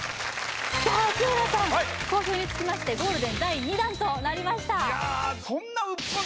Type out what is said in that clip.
さあ日村さん好評につきましてゴールデン第２弾となりました